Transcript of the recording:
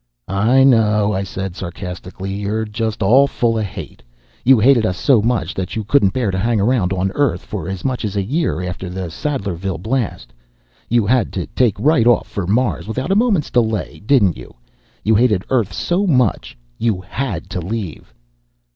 "I know," I said sarcastically. "You're just all full of hate. You hated us so much that you couldn't bear to hang around on Earth for as much as a year after the Sadlerville Blast. You had to take right off for Mars without a moment's delay, didn't you? You hated Earth so much you had to leave."